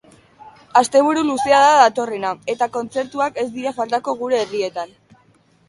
Asteburu luzea da datorrena eta kontzertuak ez dira faltako gure herrietan.